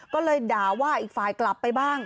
ก็เลยด่าว่าอีกฝ่ายกลับไปบ้าง